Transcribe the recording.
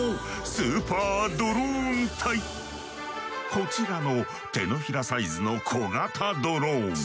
こちらの手のひらサイズの小型ドローン。